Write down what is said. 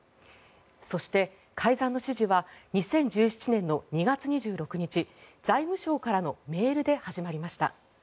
そして、改ざんの指示は２０１７年の２月２６日財務省からのメールで始まりました。